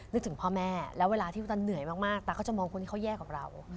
ถึงพ่อแม่แล้วเวลาที่ตันเหนื่อยมากตาก็จะมองคนที่เขาแย่กว่าเรา